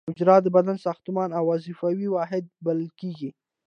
حجره د بدن ساختماني او وظیفوي واحد بلل کیږي